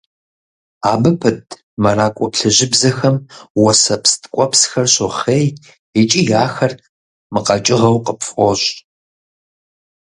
Абы пыт мэракӀуэ плъыжьыбзэхэм уэсэпс ткӀуэпсхэр щохъей икӀи ахэр мыкъэкӀыгъэу къыпфӀощӀ.